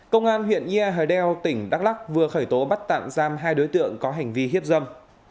công an huyện ia hờ đeo tỉnh đắk lắc vừa khởi tố bắt tạm giam hai đối tượng có hành vi hiếp dâm